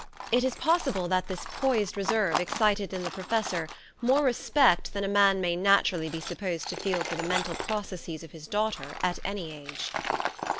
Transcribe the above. It is possible that this poised reserve excited in the professor more respect than a man may natu rally be supposed to feel for the mental processes of his daughter at any age.